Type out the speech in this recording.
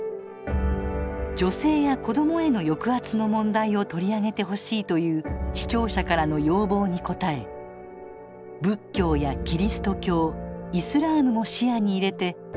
「女性や子どもへの抑圧の問題を取り上げてほしい」という視聴者からの要望に応え仏教やキリスト教イスラームも視野に入れて徹底討論します